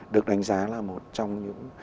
được đánh giá là một trong những